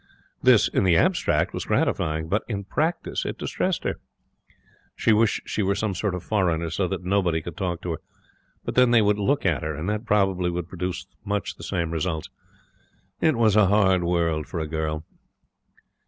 This, in the abstract, was gratifying; but in practice it distressed her. She wished she were some sort of foreigner, so that nobody could talk to her. But then they would look at her, and that probably would produce much the same results. It was a hard world for a girl.